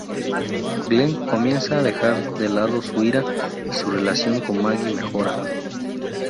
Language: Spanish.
Glenn comienza a dejar de lado su ira, y su relación con Maggie mejora.